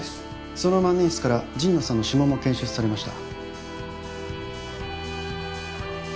その万年筆から神野さんの指紋も検出されました。